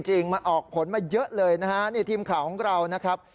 จริงมันออกผลมาเยอะเลยนะฮะนี่ทีมข่าวของเรานะครับ